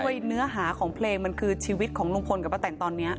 เนื้อหาของเพลงมันคือชีวิตของลุงพลกับป้าแต่งตอนนี้